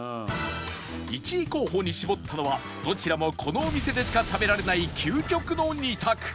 １位候補に絞ったのはどちらもこのお店でしか食べられない究極の２択